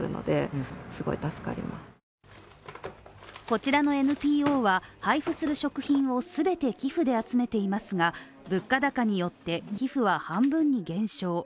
こちらのＮＰＯは配布する食品を全て寄付で集めていますが物価高によって寄付は半分に減少。